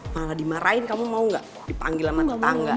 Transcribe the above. malah dimarahin kamu mau gak dipanggil sama tetangga